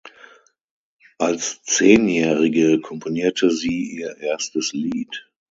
Als Zehnjährige komponierte sie ihr erstes Lied.